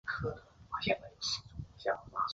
该城也是铁路枢纽。